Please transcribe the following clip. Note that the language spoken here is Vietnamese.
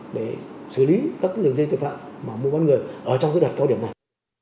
để xử lý các lường dây tội phạm mà mua bán người ở trong cái đặt cao điểm này